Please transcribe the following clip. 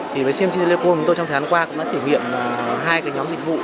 thì với cmc telecom tôi trong thời gian qua cũng đã thử nghiệm hai nhóm dịch vụ